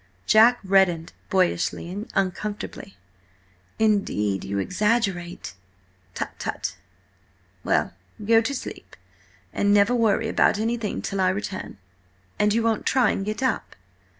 Jack reddened boyishly and uncomfortably. "Indeed, you exaggerate—" "Tut, tut! Well, go to sleep, and never worry about anything till I return. And you won't try and get up?"